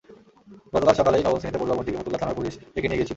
গতকাল সকালেই নবম শ্রেণিতে পড়ুয়া বোনটিকে ফতুল্লা থানার পুলিশ ডেকে নিয়ে গিয়েছিল।